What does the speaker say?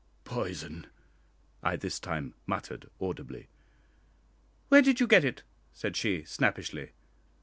"Poison!" I this time muttered audibly. "Where did you get it?" said she, snappishly.